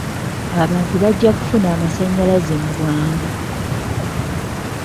Abantu bajja kufuna amasannyalaze mu bwangu.